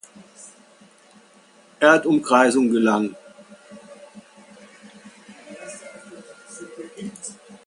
Erdumkreisung gelang.